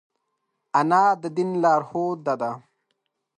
انا د دین لارښوده ده